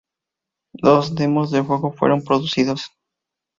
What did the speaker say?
Dos demos del juego fueron producidos.